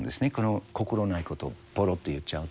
心ないことをぽろっと言っちゃうという。